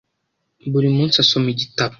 Buri munsi asoma igitabo.